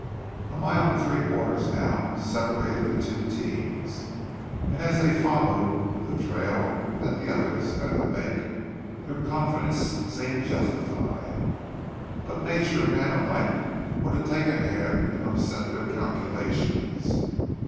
A mile and three quarters now separated the two teams, and as they followed in the trail that the others had to make, their confidence seemed justified. But nature and man alike were to take a hand and upset their calculations.